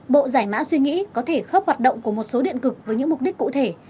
bộ giải mã suy nghĩ có thể khớp hoạt động của một số điện cực với những mục đích cụ thể